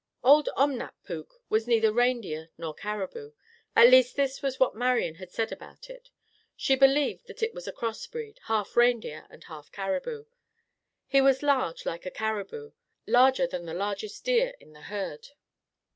Old Omnap puk was neither reindeer nor caribou; at least this was what Marian had said about it. She believed that he was a cross breed—half reindeer and half caribou. He was large like a caribou, larger than the largest deer in the herd.